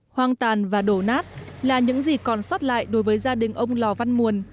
hoang tàn và đổ nát là những gì còn sót lại đối với gia đình ông lò văn muồn